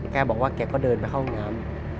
แกบอกว่าแกก็เดินไปเข้าห้องน้ำ